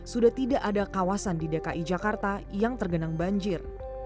sudah tidak ada kawasan di dki jakarta yang tergenang banjir